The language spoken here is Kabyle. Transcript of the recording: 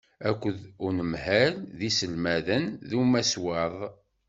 Akked unemhal d yiselmaden d umaswaḍ.